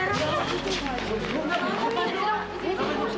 saya ingin memperoleh